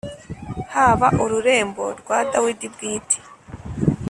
haba ururembo rwa Dawidi bwite.